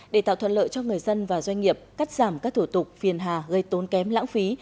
để tạo thuận lợi cho người dân và doanh nghiệp cắt giảm các thủ tục phiền hà gây tốn kém lãng phí